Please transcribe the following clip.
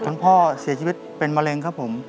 พ่อเสียชีวิตเป็นมะเร็งครับผม